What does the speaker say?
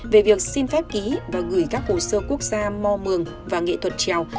về việc xin phép ký và gửi các hồ sơ quốc gia mò mường và nghệ thuật trèo